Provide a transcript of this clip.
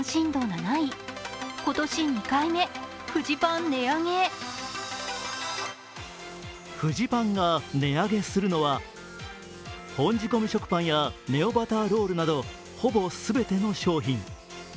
フジパンが値上げするのは本仕込食パンやネオバターロールなどほぼ全ての商品。